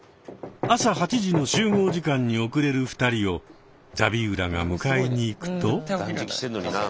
朝８時の集合時間に遅れる２人をザビウラが迎えに行くと。